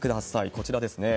こちらですね。